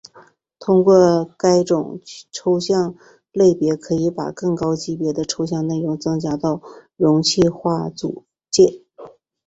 通过该种抽象类别可以把更高级别的抽象内容增加到容器化组件。